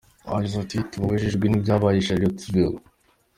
Yagize ati “Tubabajwe n’ibyabaye i Charlottesville.